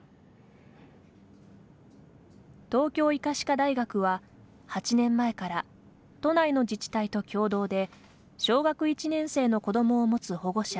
東京医科歯科大学は８年前から都内の自治体と共同で小学１年生の子どもを持つ保護者